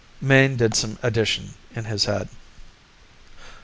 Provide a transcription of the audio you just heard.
Mayne did some addition in his head.